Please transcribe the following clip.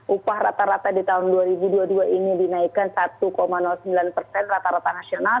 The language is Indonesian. upah rata rata di tahun dua ribu dua puluh dua ini dinaikkan satu sembilan persen rata rata nasional